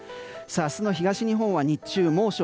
明日の東日本は日中猛暑。